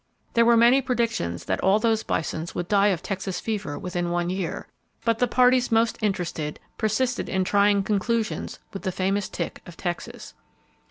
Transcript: There were many predictions that all those bison would die of Texas fever within one year; but the parties most interested persisted in trying conclusions with the famous tick of Texas.